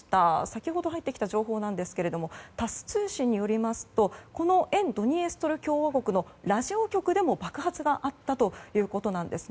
先ほど入ってきた情報なんですがタス通信によりますとこの沿ドニエストル共和国のラジオ局でも爆発があったということです。